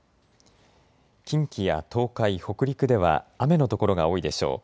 近畿や東海、北陸では雨の所が多いでしょう。